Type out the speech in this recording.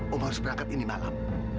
om harus berangkat ini malam